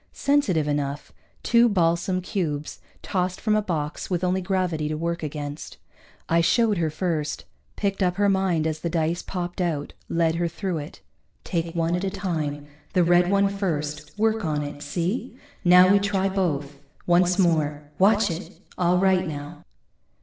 Sensitive enough, two balsam cubes, tossed from a box with only gravity to work against. I showed her first, picked up her mind as the dice popped out, led her through it. _Take one at a time, the red one first. Work on it, see? Now we try both. Once more watch it! All right, now.